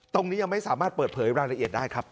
ตรงนี้ยังไม่สามารถเปิดเผยรายละเอียดได้ครับ